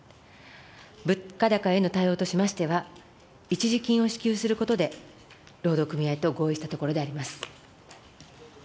物価高への対応としましては、一時金を支給することで、労働組合と合意したところであります。